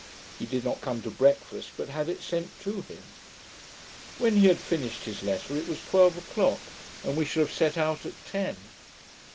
He did not come to breakfast, but had it sent to him. When he had finished his letter, it was twelve o'clock, and we should have set out at ten.